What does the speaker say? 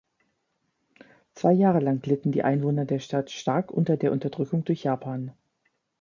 Zwei Jahre lang litten die Einwohner der Stadt stark unter der Unterdrückung durch Japan.